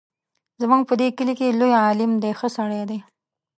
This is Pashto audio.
زموږ په دې کلي کې لوی عالم دی ښه سړی دی.